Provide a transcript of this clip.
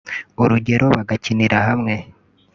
urugero bagakinira hamwe